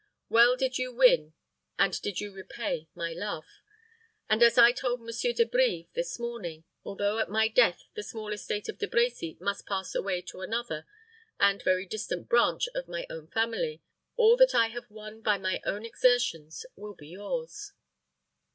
Well did you win and did you repay my love; and, as I told Monsieur De Brives this morning, although at my death the small estate of De Brecy must pass away to another and very distant branch of my own family, all that I have won by my own exertions will be yours."